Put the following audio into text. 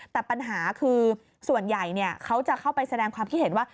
แต่ปัญหาคือส่วนใหญ่เขาจะเข้าไปแสดงความคิดเห็นว่า